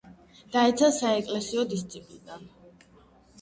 დაეცა საეკლესიო დისციპლინა.